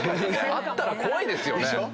あったら怖いですよね。